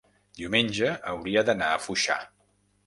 diumenge hauria d'anar a Foixà.